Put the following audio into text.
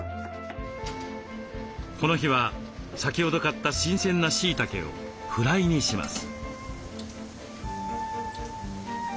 この日は先ほど買った新鮮なしいたけをフライにします。